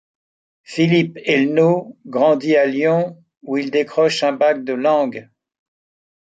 Philippe Elno grandit à Lyon, où il décroche un bac de langues.